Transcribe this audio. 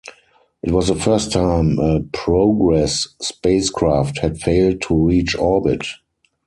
It was the first time a Progress spacecraft had failed to reach orbit.